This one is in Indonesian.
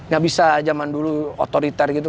gak bisa zaman dulu otoriter gitu